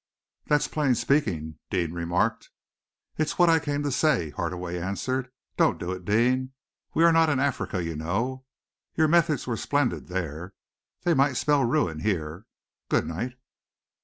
"That's plain speaking," Deane remarked. "It's what I came to say," Hardaway answered. "Don't do it, Deane. We are not in Africa, you know. Your methods were splendid there. They might spell ruin here. Good night!"